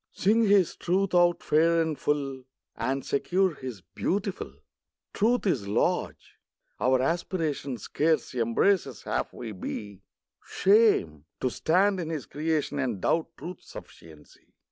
Sing His Truth out fair and full, And secure His beautiful. Truth is large. Our aspiration Scarce embraces half we be. Shame ! to stand in His creation And doubt Truth's sufficiency!